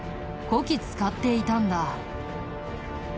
こき使っていたんだ。